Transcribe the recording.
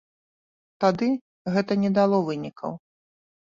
Тады гэта не дало вынікаў.